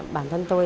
bản thân tôi